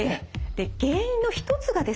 で原因の一つがですね